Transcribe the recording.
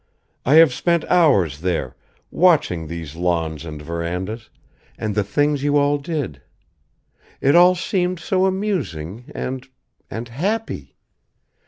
I have spent hours there, watching these lawns and verandas, and the things you all did. It all seemed so amusing and, and happy.